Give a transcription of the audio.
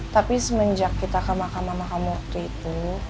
tapi semenjak kita ke mahkamah mahkamu waktu itu